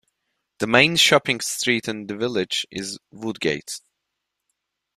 The main shopping street in the village is Woodgate.